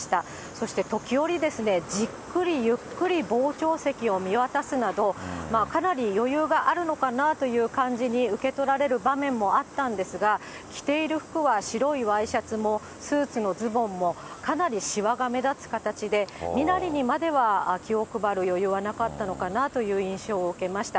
そして時折ですね、じっくりゆっくり傍聴席を見渡すなど、かなり余裕があるのかなという感じに受け取られる場面もあったんですが、着ている服は白いワイシャツも、スーツのズボンもかなりしわが目立つ形で、身なりにまでは気を配る余裕はなかったのかなという印象を受けました。